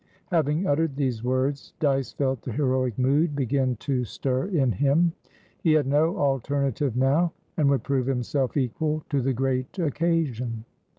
Having uttered these words, Dyce felt the heroic mood begin to stir in him. He had no alternative now, and would prove himself equal to the great occasion.